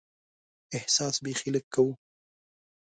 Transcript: احساس بیخي لږ کوو.